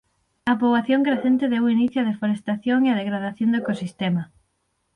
A poboación crecente deu inicio á deforestación e a degradación do ecosistema.